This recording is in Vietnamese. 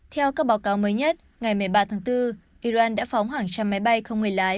theo các báo cáo mới nhất ngày một mươi ba tháng bốn iran đã phóng hàng trăm máy bay không người lái